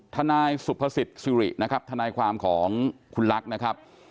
ทนายสุภสิทธิ์สิรินะครับทนายความของคุณลักษณ์นะครับ